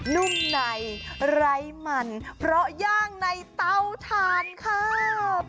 นุ่มในไร้มันเพราะย่างในเตาถ่านครับ